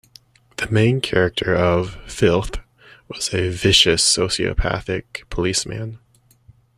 The main character of "Filth" was a vicious sociopathic policeman.